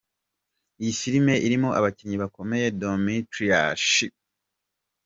Iyi filime irimo abakinnyi bakomeye Demetrius Shipp, Jr.